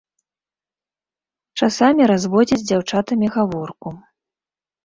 Часамі разводзяць з дзяўчатамі гаворку.